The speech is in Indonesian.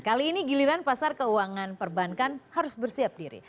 kali ini giliran pasar keuangan perbankan harus bersiap diri